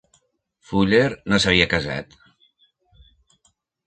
Fuller no s'havia casat.